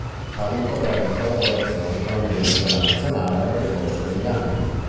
Ha avuto brevi collaborazioni con l'ambiente della Nazionale nel corso degli anni.